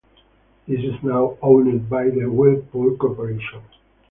It is now owned by the Whirlpool Corporation.